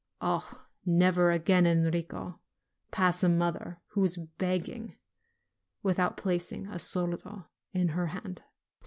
Oh, never again, Enrico, pass a mother who is begging, without placing a soldo in her hand